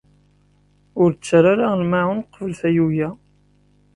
Ur ttarra ara lmaɛun qbel tayuga.